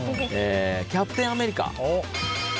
キャプテン・アメリカ。